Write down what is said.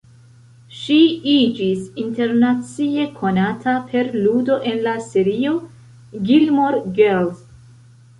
Ŝi iĝis internacie konata per ludo en la serio "Gilmore Girls".